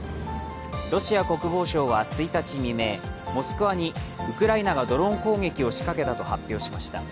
ロシア国防省は１日未明、モスクワにウクライナがドローン攻撃を仕掛けたと発表しました。